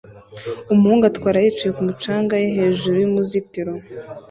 Umuhungu atwara yicaye kumu canga ye hejuru yumuzitiro